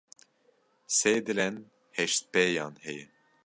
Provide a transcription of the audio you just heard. Sê dilên heştpêyan heye.